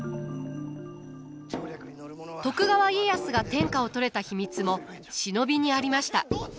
徳川家康が天下を取れた秘密も忍びにありました。